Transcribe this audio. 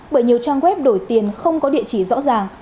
bởi nhiều trang web đổi tiền không có địa chỉ rõ ràng